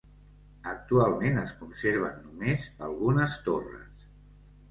Actualment es conserven només algunes torres.